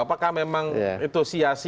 apakah memang itu si